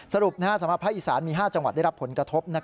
สำหรับภาคอีสานมี๕จังหวัดได้รับผลกระทบ